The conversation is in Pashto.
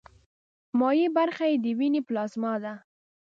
مایع برخه یې د ویني پلازما ده.